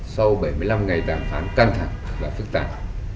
sau bảy mươi năm ngày đàm phán căng thẳng và phức tạp